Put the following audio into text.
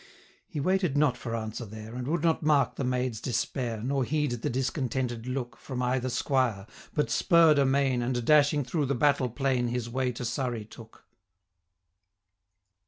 He waited not for answer there, And would not mark the maid's despair, 705 Nor heed the discontented look From either squire; but spurr'd amain, And, dashing through the battle plain, His way to Surrey took.